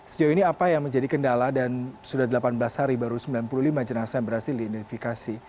sejauh ini apa yang menjadi kendala dan sudah delapan belas hari baru sembilan puluh lima jenazah yang berhasil diidentifikasi